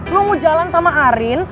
lu mau jalan sama arief